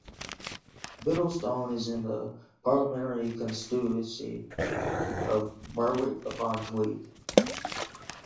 Biddlestone is in the parliamentary constituency of Berwick-upon-Tweed.